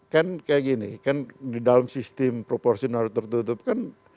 kan kayak gini kan di dalam sistem proporsional tertutup kan